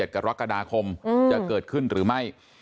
กรกฎาคมจะเกิดขึ้นหรือไม่